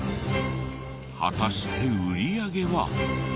果たして売り上げは。